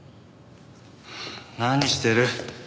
何してる？